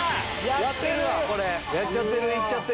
やってるわこれ。